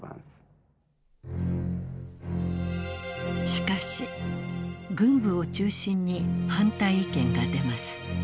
しかし軍部を中心に反対意見が出ます。